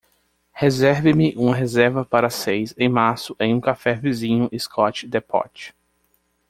Reserve-me uma reserva para seis em março em um café vizinho Scott Depot